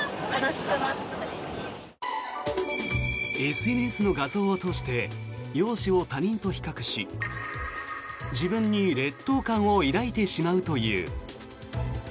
ＳＮＳの画像を通して容姿を他人と比較し自分に劣等感を抱いてしまうという。